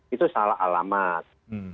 itu salah alamat